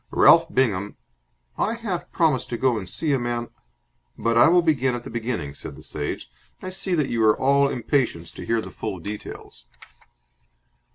Ralph Bingham...." "I half promised to go and see a man " "But I will begin at the beginning," said the Sage. "I see that you are all impatience to hear the full details."